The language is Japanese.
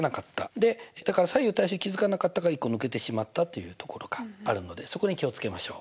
でだから左右対称に気付かなかったから１個抜けてしまったというところがあるのでそこに気を付けましょう。